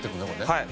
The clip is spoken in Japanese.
はい。